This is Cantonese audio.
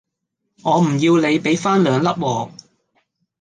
我唔要你比番兩粒我